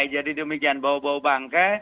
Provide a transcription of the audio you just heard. jadi demikian bau bau bangke